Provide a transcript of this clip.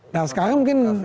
nah sekarang mungkin